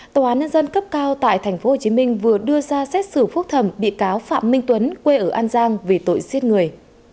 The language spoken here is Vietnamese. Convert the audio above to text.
tòa án nhân dân cấp cao tại tp hcm vừa đưa ra xét xử phúc thẩm bị cáo phạm minh tuấn quê ở an giang về tội giết người